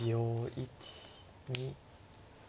１２。